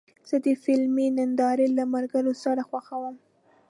زه د فلمونو نندارې له ملګرو سره خوښوم.